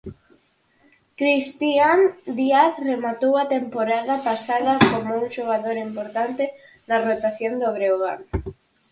Cristian Díaz rematou a temporada pasada como un xogador importante na rotación do Breogán.